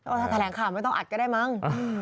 ถ้าแถลงข่าวไม่ต้องอัดก็ได้มั้ง